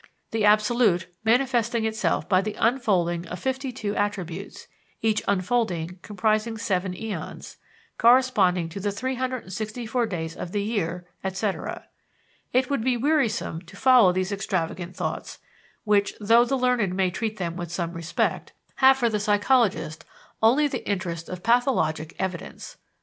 the absolute manifesting itself by the unfolding of fifty two attributes, each unfolding comprising seven eons, corresponding to the 364 days of the year, etc. It would be wearisome to follow these extravagant thoughts, which, though the learned may treat them with some respect, have for the psychologist only the interest of pathologic evidence.